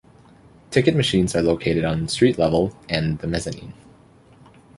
Ticket machines are located on street level and the mezzanine.